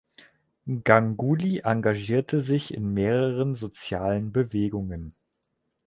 Ganguly engagierte sich in mehreren sozialen Bewegungen.